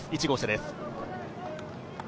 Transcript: １号車です。